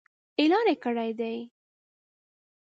اعلان کړي يې دي.